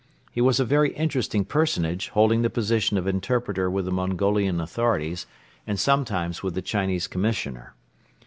He was a very interesting personage, holding the position of interpreter with the Mongolian authorities and sometimes with the Chinese Commissioner.